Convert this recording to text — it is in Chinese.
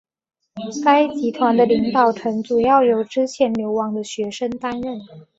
该集团的领导层主要由之前流亡的学生担任。